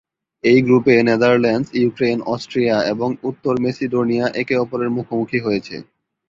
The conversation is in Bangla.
এই গ্রুপে নেদারল্যান্ডস, ইউক্রেন, অস্ট্রিয়া এবং উত্তর মেসিডোনিয়া একে অপরের মুখোমুখি হয়েছে।